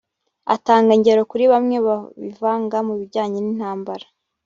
agatanga ingero kuri bamwe bivanga mu bijyanye n’intambara